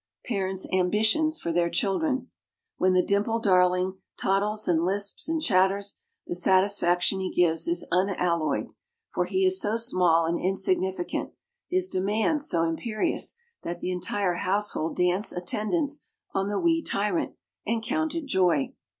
parents' ambitions for their children. When the dimpled darling toddles and lisps and chatters, the satisfaction he gives is unalloyed; for he is so small and insignificant, his demands so imperious, that the entire household dance attendance on the wee tyrant, and count it joy.